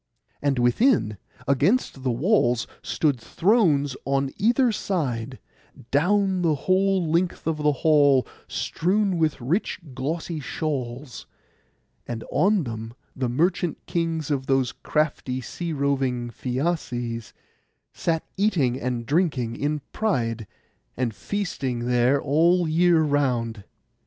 And within, against the walls, stood thrones on either side, down the whole length of the hall, strewn with rich glossy shawls; and on them the merchant kings of those crafty sea roving Phæaces sat eating and drinking in pride, and feasting there all the year round.